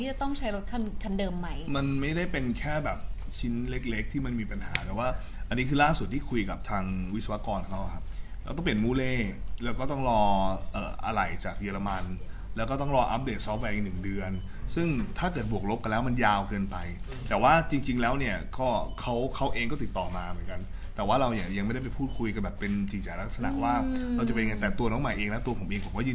ทางวิศวกรเราต้องเปลี่ยนมูเลแล้วก็ต้องรออะไหล่จากเยอรมันแล้วก็ต้องรออัปเดตซอฟต์ไปอีก๑เดือนซึ่งถ้าเกิดบวกลบกันแล้วมันยาวเกินไปแต่ว่าจริงแล้วเนี่ยเขาเองก็ติดต่อมาเหมือนกันแต่ว่าเรายังไม่ได้ไปพูดคุยกันแบบเป็นจริงจากลักษณะว่าเราจะเป็นยังไงแต่ตัวน้องใหม่เองและตัวผมเองก็ยื